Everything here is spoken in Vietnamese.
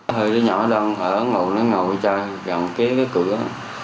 hơi cái nhỏ đang ở ngồi ngồi ngồi chơi gần kế cái cửa